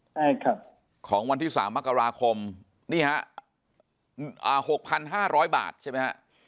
ใช่ครับของวันที่๓มกราคมนี่ฮะ๖๕๐๐บาทใช่ไหมฮะ